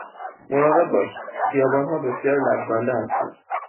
مراقب باش، خیابان ها بسیار لغزنده هستند.